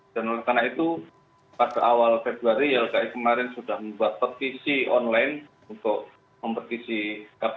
dan oleh karena itu pada awal februari lki kemarin sudah membuat petisi online untuk mempetisi kppu